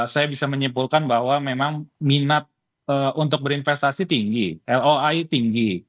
saya bisa menyimpulkan bahwa memang minat untuk berinvestasi tinggi loi tinggi